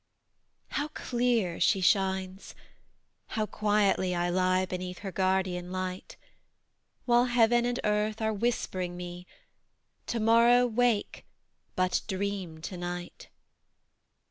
How clear she shines! How quietly I lie beneath her guardian light; While heaven and earth are whispering me, "To morrow, wake, but dream to night."